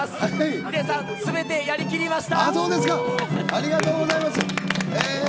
ヒデさん、すべてやりきりました。